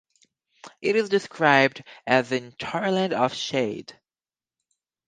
It is described as intolerant of shade.